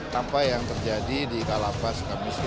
tanpa yang terjadi di kalapas suka miskin